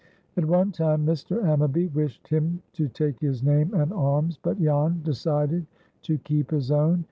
At one time Mr. Ammaby wished him to take his name and arms, but Jan decided to keep his own.